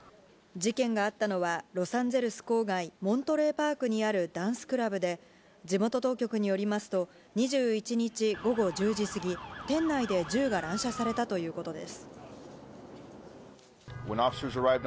事件があったのは、ロサンゼルス郊外、モントレーパークにあるダンスクラブで、地元当局によりますと、２１日午後１０時過ぎ、店内で銃が乱射されたということです。